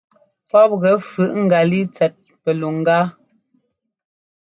Pɔ́p gɛ fʉꞌ ŋgalíi tsɛt pɛluŋgá.